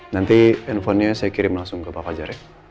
nanti handphonenya saya kirim langsung ke pak fajar ya